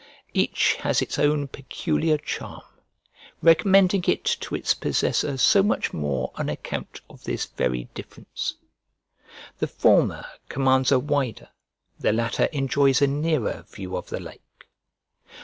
Each has its own peculiar charm, recommending it to its possessor so much more on account of this very difference. The former commands a wider, the latter enjoys a nearer view of the lake.